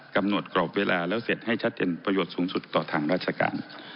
กำหนดกรอบเวลาแล้วเสร็จให้ชัดเจนประโยชน์สูงสุดต่อทางราชการ